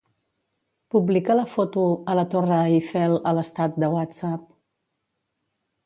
Publica la foto a la Torre Eiffel a l'estat de Whatsapp.